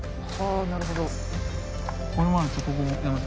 ああなるほど。